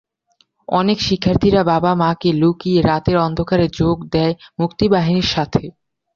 অনেক শিক্ষার্থীরা বাবা-মা কে লুকিয়ে রাতের অন্ধকারে যোগ দেয় মুক্তিবাহিনীর সাথে।